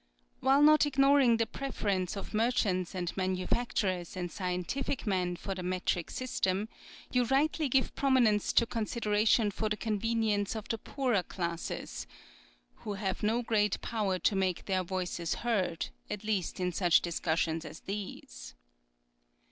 ''While not ignoring the preference or merchants and manufacturers and scientific men for the metric system, you rightly give prominence to consideration for the conve nience of the poorer classes, ' who have no great power to make their voices heard ŌĆö at least in such discussions as these.'